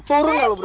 turun lah lo bro